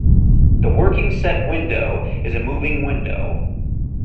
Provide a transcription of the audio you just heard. The working set window is a moving window.